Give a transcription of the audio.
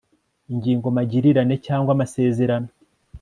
ngingo magirirane cyangwa amasezerano